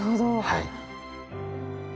はい。